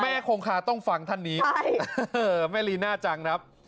คงคาต้องฟังท่านนี้แม่ลีน่าจังครับ